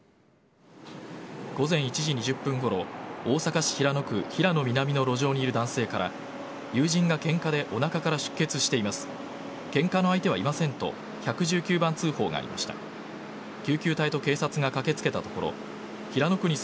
午前１時２０分ごろ大阪市平野区平野南の路上にいる男性から友人がけんかでおなかから出血しています。